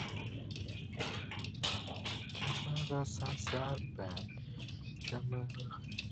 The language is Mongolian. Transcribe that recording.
гэтэл хэдэн хүүхдүүд том болж сургууль соёл бараадах боллоо.